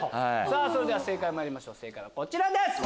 それでは正解まいりましょう正解はこちらです！